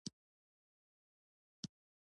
د هلمند په ناهري سراج کې د څه شي نښې دي؟